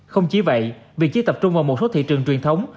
không chỉ vậy việc chỉ tập trung vào một số thị trường truyền thống